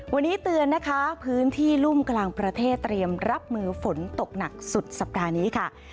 วันนี้เตือนนะคะพื้นที่รุ่มกลางประเทศเตรียมรับมือฝนตกหนักสุดสัปดาห์นี้ค่ะ